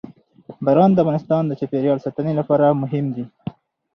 باران د افغانستان د چاپیریال ساتنې لپاره مهم دي.